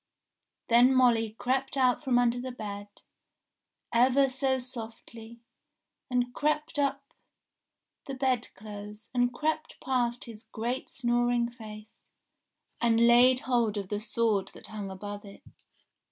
Then Molly crept out from under the bed, ever so softly, and crept up the bed clothes, and crept past his great snoring face, and laid hold of the sword that hung above it.